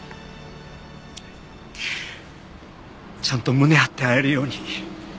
ちゃんと胸張って会えるように。